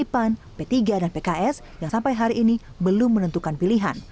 pan p tiga dan pks yang sampai hari ini belum menentukan pilihan